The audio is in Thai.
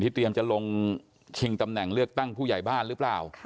เตรียมจะลงชิงตำแหน่งเลือกตั้งผู้ใหญ่บ้านหรือเปล่า